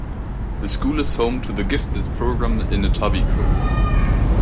The school is home to the gifted program in Etobicoke.